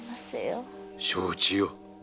承知よ。